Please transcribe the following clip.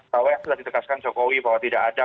bahwa yang sudah ditegaskan jokowi bahwa tidak ada